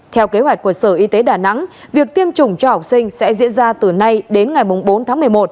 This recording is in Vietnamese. theo kế hoạch của sở y tế đà nẵng việc tiêm chủng cho học sinh sẽ diễn ra từ nay đến ngày bốn tháng một mươi một